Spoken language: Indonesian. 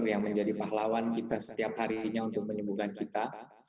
yang menjadi pahlawan kita setiap harinya untuk menyembuhkan kita